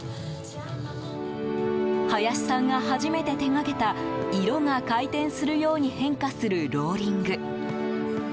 林さんが初めて手掛けた色が回転するように変化するローリング。